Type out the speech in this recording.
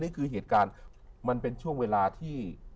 นี่คือเหตุการณ์มันเป็นช่วงเวลาที่